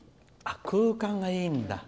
空間がいいんだ。